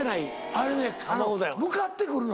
あれね向かってくるの。